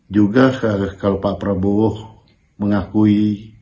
juga kalau pak prabowo mengakui